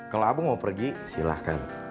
kalau abang mau pergi silahkan